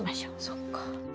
そっか。